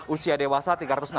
usia dewasa tiga ratus enam puluh